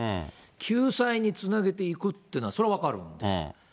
救済につなげていくっていうのは、それは分かるんですよ。